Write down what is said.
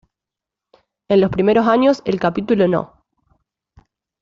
En los primeros años, el capítulo no.